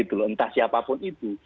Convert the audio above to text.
entah siapapun itu